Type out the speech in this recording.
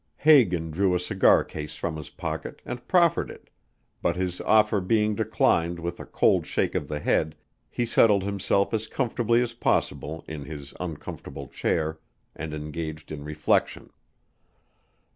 Hagan drew a cigar case from his pocket, and proffered it, but his offer being declined with a cold shake of the head, he settled himself as comfortably as possible in his uncomfortable chair and engaged in reflection.